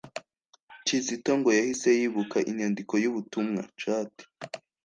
Kizito ngo yahise yibuka inyandiko y'ubutumwa (chat)